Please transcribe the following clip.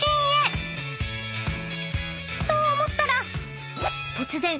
［と思ったら］